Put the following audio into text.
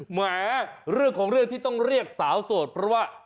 แหมเรื่องของเรื่องที่ต้องเรียกสาวโสดเพราะว่า